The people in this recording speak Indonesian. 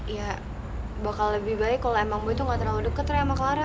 ya bakal lebih baik kalo emang boy tuh gak terlalu deket ya sama clara